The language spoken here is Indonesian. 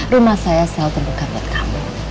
rumah saya selalu terbuka buat kamu